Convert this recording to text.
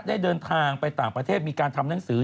ได้เดินทางไปต่างประเทศมีการทำหนังสือ